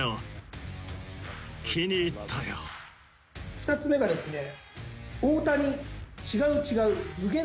「２つ目がですね」